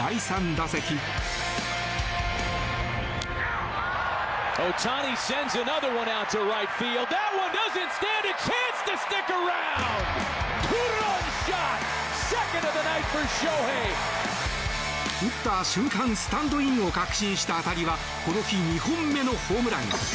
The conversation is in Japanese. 打った瞬間、スタンドインを確信した当たりはこの日２本目のホームラン。